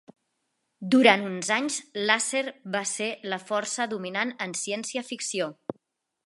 Durant uns anys, Lasser va ser la força dominant en ciència-ficció.